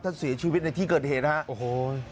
ท่านสีชีวิตในที่เกิดเหตุนะครับ